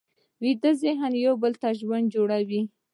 ویده ذهن یو بل ژوند جوړوي